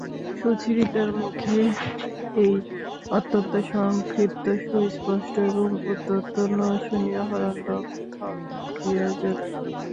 সুচরিতার মুখে এই অত্যন্ত সংক্ষিপ্ত সুস্পষ্ট এবং উদ্ধত না শুনিয়া হারানবাবু থমকিয়া গেলেন।